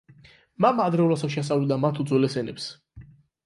მამა ადრეულ ასაკში ასწავლიდა მათ უძველესი ენებს.